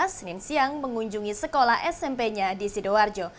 senin siang mengunjungi sekolah smp nya di sidoarjo